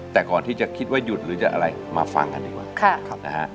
แต่ก่อนที่จะคิดว่าหยุดหรือจะอะไรมาฟังกันดีกว่านะฮะ